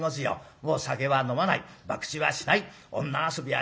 もう酒は飲まないばくちはしない女遊びはしない